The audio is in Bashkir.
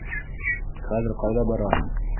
Хәҙер ҡайҙа бараһың?